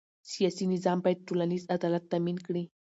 سیاسي نظام باید ټولنیز عدالت تأمین کړي